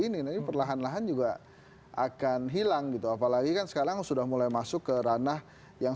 ini perlahan lahan juga akan hilang gitu apalagi kan sekarang sudah mulai masuk ke ranah yang